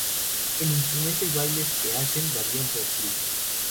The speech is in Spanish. El instrumento y bailes que hacen varían por tribu.